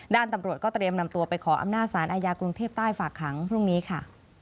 ตำรวจก็เตรียมนำตัวไปขออำนาจสารอาญากรุงเทพใต้ฝากขังพรุ่งนี้ค่ะ